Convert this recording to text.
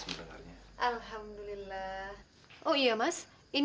orang yang berkjeban